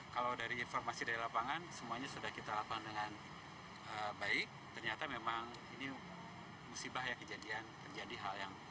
kalau dari informasi dari lapangan semuanya sudah kita lakukan dengan baik ternyata memang ini musibah ya kejadian terjadi hal yang